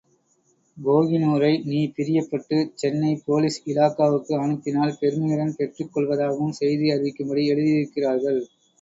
கோஹினுரை நீ பிரியப்பட்டு சென்னை போலீஸ் இலாகாவுக்கு அனுப்பினால், பெருமையுடன் பெற்றுக் கொள்வதாகவும் செய்தி அறிவிக்கும்படி எழுதியிருக்கிறார்கள்.